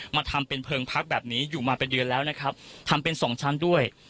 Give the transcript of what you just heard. มาทำเป็นเพลิงพักแบบนี้อยู่มาเป็นเดือนแล้วนะครับทำเป็นสองชั้นด้วย